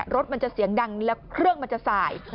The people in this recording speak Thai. รถมันจะเสียงดังแล้วเครื่องมันจะสาย